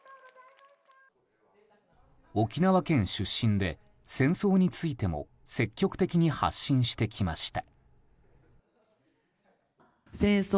沖縄県出身で、戦争についても積極的に発信してきました。